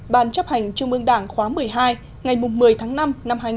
ban chấp hành trung ương đảng khóa một mươi hai ngày một mươi tháng năm năm hai nghìn một mươi chín